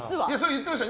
言ってました。